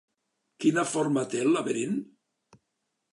Quina forma té el laberint?